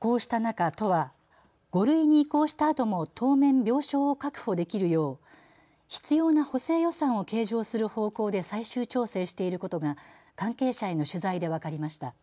こうした中、都は５類に移行したあとも当面病床を確保できるよう必要な補正予算を計上する方向で最終調整していることが関係者への取材で分かりました。